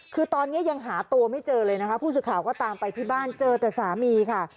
คือตอนนี้ยังหาตัวไม่เจอเลยนะคะผู้สื่อข่าวก็ตามไปที่บ้านเจอแต่สามีค่ะ